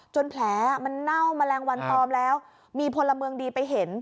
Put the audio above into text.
แผลมันเน่าแมลงวันตอมแล้วมีพลเมืองดีไปเห็น